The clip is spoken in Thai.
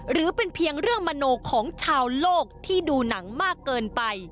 หรือเป็นเพียงเรื่องมโนของชาวโลกที่ดูหนังมากเกินไป